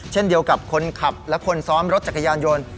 เช่นเดียวกับคนขับและคนซ้อนรถจักรยานยนต์